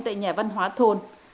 tại nhà văn hóa thôn